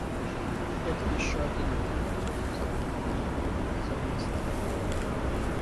Это еще один методов запугивания или наказания стран.